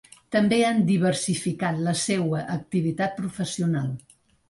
També han diversificat la seua activitat professional.